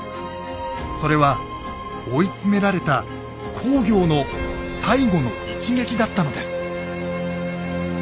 それは追い詰められた公暁の最後の一撃だったのです。